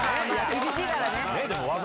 厳しいからね。